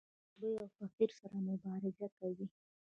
د غریبۍ او فقر سره مبارزه کوي.